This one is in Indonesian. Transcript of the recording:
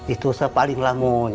itu sepaling lama